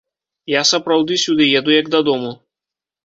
Я сапраўды сюды еду як дадому.